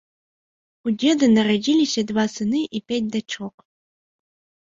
У дзеда нарадзіліся два сыны і пяць дачок.